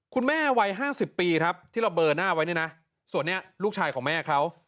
คุณแม่วัย๕๐ปีที่เราเบอร์หน้าไว้นี่นะส่วนนี้ลูกชายของแม่เขา